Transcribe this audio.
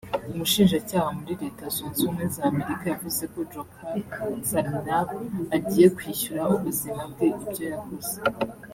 Umushinjacyaha muri Leta zunze ubumwe za Amerika yavuze ko Djokhar Tsarnaev agiye kwishyura ubuzima bwe ibyo yakoze